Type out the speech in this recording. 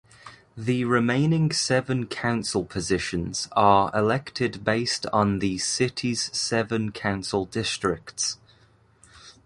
The remaining seven council positions are elected based on the city's seven council districts.